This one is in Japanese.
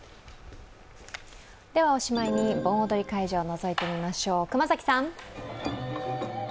ではおしまいに、盆踊り会場をのぞいてみましょう、熊崎さん。